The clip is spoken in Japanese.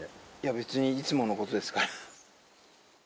別にいつものことですから。